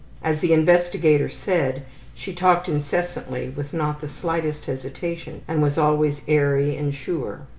As the investigator said, she talked incessantly with not the slightest hesitation and was always airy and sure.